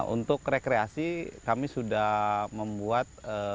untuk rekreasi kami sudah membuat